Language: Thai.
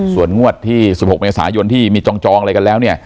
ส่วนงวดที่๑๖เมษายนที่มีจองอะไรกันแล้วเนี่ย